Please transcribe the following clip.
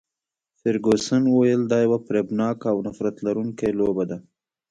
فرګوسن وویل، دا یوه فریبناکه او نفرت لرونکې لوبه ده.